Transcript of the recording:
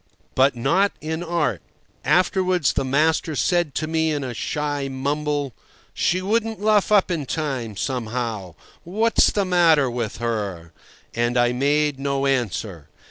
But not in art. Afterwards the master said to me in a shy mumble, "She wouldn't luff up in time, somehow. What's the matter with her?" And I made no answer.